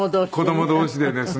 子供同士でですね。